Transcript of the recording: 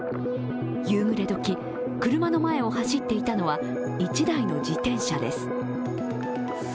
夕暮れ時、車の前を走っていたのは１台の自転車です。